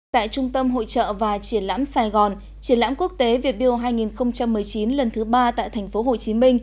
tại trung tâm hội trợ và triển lãm sài gòn triển lãm quốc tế việt build hai nghìn một mươi chín lần thứ ba tại tp hcm